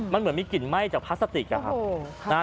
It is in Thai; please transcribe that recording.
มันเหมือนมีกลิ่นไหม้จากพลาสติกอะครับ